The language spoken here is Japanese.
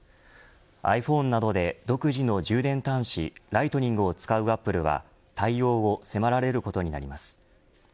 ｉＰｈｏｎｅなどで独自の充電端子をライトニングを使うアップルは対応を迫られることになります。